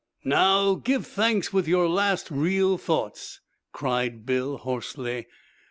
"Now, give thanks with your last real thoughts," cried Bill, hoarsely.